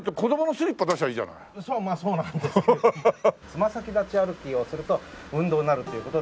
つま先立ち歩きをすると運動になるという事で。